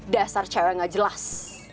dasar cewek gak jelas